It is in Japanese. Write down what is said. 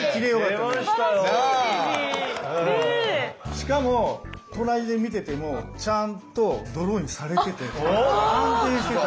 しかも隣で見ててもちゃんとドローインされてて安定してた。